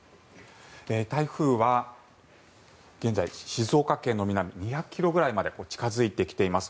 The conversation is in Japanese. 台風は現在静岡県の南２００ｋｍぐらいまで近付いてきています。